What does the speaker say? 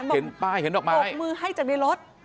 บอกบกมือให้จากในรถ